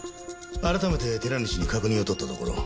改めて寺西に確認を取ったところ。